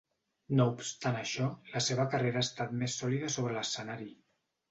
No obstant això, la seva carrera ha estat més sòlida sobre l'escenari.